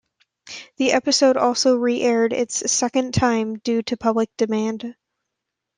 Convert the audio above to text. The episode also re-aired its second time due to public demand.